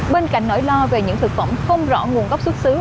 bên cạnh nỗi lo về những thực phẩm không rõ nguồn gốc xuất xứ